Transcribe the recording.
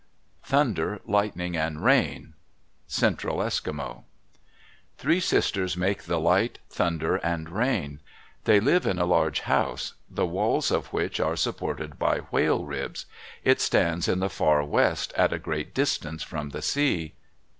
THUNDER, LIGHTNING, AND RAIN Central Eskimo Three sisters make the light, thunder, and rain. They live in a large house, the walls of which are supported by whale ribs. It stands in the far west, at a great distance from the sea.